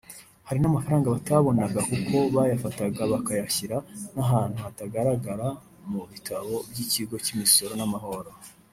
Hari n’amafaranga batabonaga kuko bayafataga bakayashyira n’ahantu atagaragara mu bitabo by’Ikigo cy’Imisoro n’amahoro